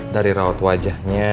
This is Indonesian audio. dari rawat wajahnya